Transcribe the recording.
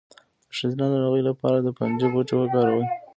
د ښځینه ناروغیو لپاره د پنجې بوټی وکاروئ